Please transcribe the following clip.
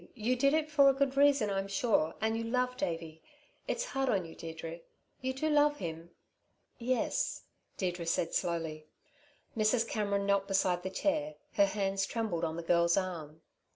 You did it for a good reason, I'm sure, and you love Davey. It's hard on you, Deirdre. You do love him?" "Yes," Deirdre said slowly. Mrs. Cameron knelt beside the chair. Her hands trembled on the girl's arm.